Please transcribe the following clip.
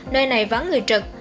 nơi này vắng người trực